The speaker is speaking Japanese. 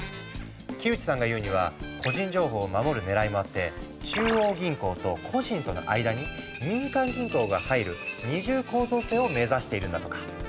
木内さんが言うには個人情報を守る狙いもあって中央銀行と個人との間に民間銀行が入る二重構造性を目指しているんだとか。